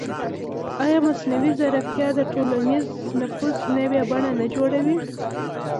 ایا مصنوعي ځیرکتیا د ټولنیز نفوذ نوې بڼې نه جوړوي؟